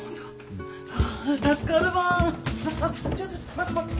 待って待って。